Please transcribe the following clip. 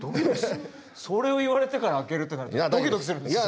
それを言われてから開けるってなるとドキドキするんですよ。